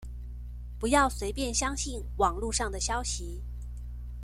不要隨便相信網路上的消息